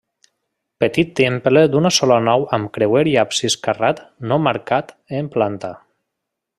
Petit temple d'una sola nau amb creuer i absis carrat no marcat en planta.